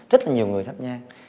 rất nhiều người thắp nhan